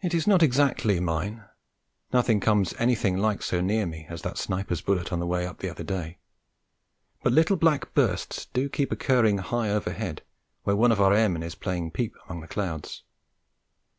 It is not exactly mine; nothing comes anything like so near me as that sniper's bullet on the way up the other day; but little black bursts do keep occurring high overhead, where one of our airmen is playing peep among the clouds.